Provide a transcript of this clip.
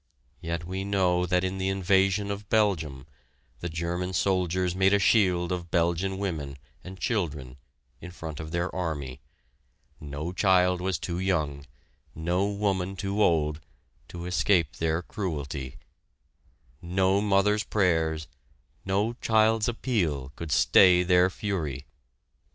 Yet, we know that in the invasion of Belgium, the German soldiers made a shield of Belgian women and children in front of their army; no child was too young, no woman too old, to escape their cruelty; no mother's prayers, no child's appeal could stay their fury!